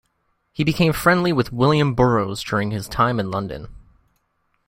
He became friendly with William Burroughs during his time in London.